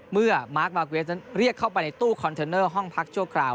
เมื่อมาร์คมาร์คเวสเรียกเข้าไปในตู้คอนเทอร์เนอร์ห้องพักชั่วคราว